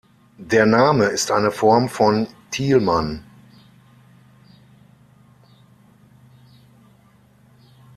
Der Name ist eine Form von Tilman.